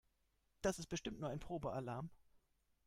Das ist bestimmt nur ein Probealarm.